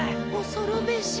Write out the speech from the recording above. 恐るべし。